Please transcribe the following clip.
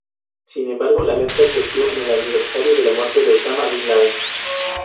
Sin embargo la alerta creció por el aniversario de la muerte Osama Bin Laden.